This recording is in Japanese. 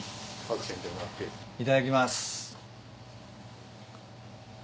いただきます。